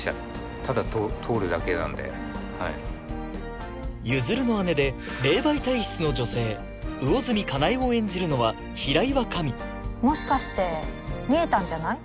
ただ通るだけなんではい譲の姉で霊媒体質の女性魚住叶恵を演じるのは平岩紙もしかして見えたんじゃない？